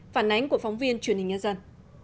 phản ánh của phóng viên truyền hình nhân dân